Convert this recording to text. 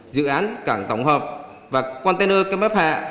dự án cảng tổng hợp và container cám ấp hạ